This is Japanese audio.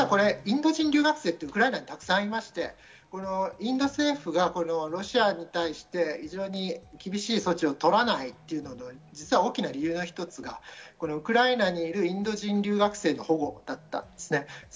実はインド人留学生ってウクライナにたくさんいまして、インド政府がロシアに対して非常に厳しい措置をとらないという大きな理由の一つがウクライナにいるインド人留学生の保護だったんですね。